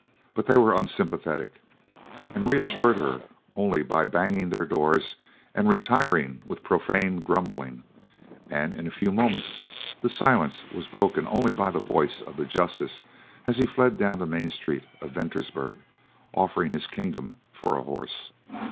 But they were unsympathetic, and reassured her only by banging their doors and retiring with profane grumbling, and in a few moments the silence was broken only by the voice of the justice as he fled down the main street of Ventersburg offering his kingdom for a horse.